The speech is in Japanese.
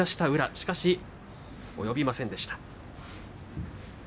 しかしおよびませんでした。